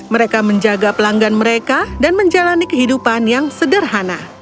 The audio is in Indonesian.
mereka menjaga pelanggan mereka dan menjalani kehidupan yang sederhana